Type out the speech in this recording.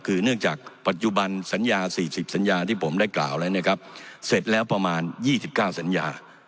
คือเนื่องจากปัจจุบันสัญญา๔๐สัญญาที่ผมได้กล่าวแล้วนะครับเสร็จแล้วประมาณ๒๙สัญญา